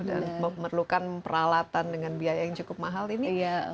dan memerlukan peralatan dengan biaya yang cukup mahal ini